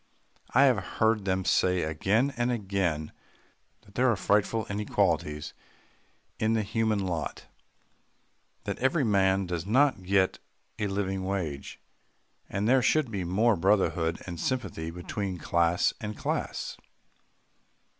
I have heard them say again and again, that there are frightful inequalities in the human lot, that every man does not get a living wage, and there should be more brotherhood and sympathy between class and class.